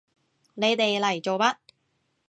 你哋嚟做乜？